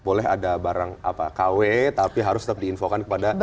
boleh ada barang kw tapi harus tetap diinfokan kepada